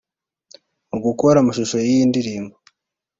Mu gukora amashusho y’iyi ndirimbo